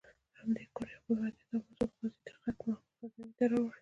همدې کونډې خپل فریاد او د مسعود غازي خط محمود غزنوي ته راوړی.